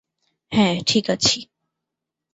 হ্যাঁ, ঠিক আছি।